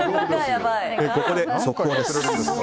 ここで速報です。